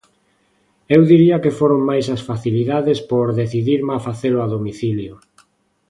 Eu diría que foron máis as facilidades por decidirme a facelo a domicilio.